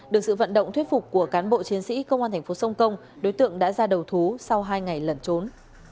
được sự vận động thuyết phục của cán bộ chiến sĩ công an thành phố sông công đối tượng đã ra đầu thú sau hai ngày lẩn trốn